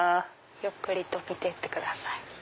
ゆっくりと見てってください。